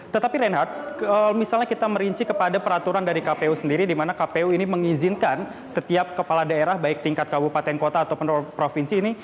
tetapi reinhardt misalnya kita merinci kepada peraturan dari kpu sendiri di mana kpu ini mengizinkan setiap kepala daerah baik tingkat kabupaten kota ataupun provinsi ini